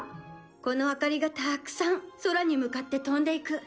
この明かりがたくさん空に向かって飛んでいく。